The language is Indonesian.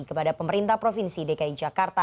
kepada pemerintah provinsi dki jakarta